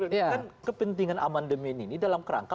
kan kepentingan aman demen ini dalam kerangkasan